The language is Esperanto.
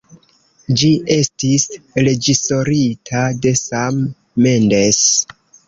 Ĝi estis reĝisorita de Sam Mendes.